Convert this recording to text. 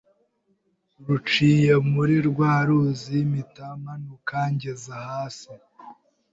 ruciye muri rwa ruzi mpita manuka ngeze hasi